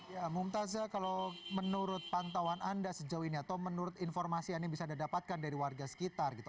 ya mumtazah kalau menurut pantauan anda sejauh ini atau menurut informasi yang bisa anda dapatkan dari warga sekitar gitu